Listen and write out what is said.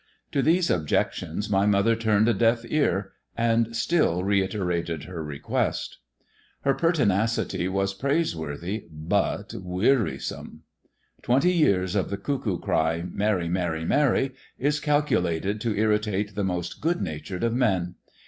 To these objections my mother turned % deaf ear, and still reiterated her request. Her pertinacity woA praiseworthy but wearisome. Twenty years of the 3uckoo cry " Marry, marry, marry " is calculated to irritate bhe most good natured of men.